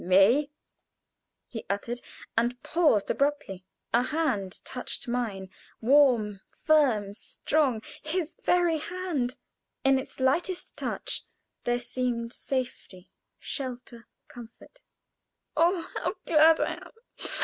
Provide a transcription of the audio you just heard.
"May!" he uttered, and paused abruptly. A hand touched mine warm, firm, strong his very hand. In its lightest touch there seemed safety, shelter, comfort. "Oh, how glad I am!